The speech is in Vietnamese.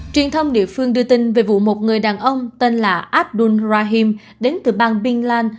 truyền thông địa phương đưa tin về vụ một người đàn ông tên là abdul rahim đến từ bang bin lan